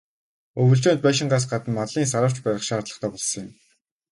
Өвөлжөөнд байшингаас гадна малын "саравч" барих шаардлагатай болсон юм.